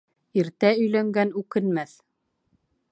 Иртә өйләнгән үкенмәҫ.